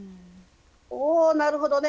おなるほどね。